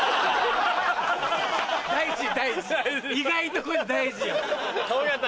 大事大事意外とこういうの大事よ。